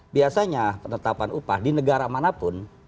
biasanya penetapan upah di negara manapun